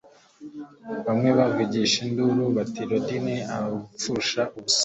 bamwe bavugije induru bati Radin Abandi Gupfusha ubusa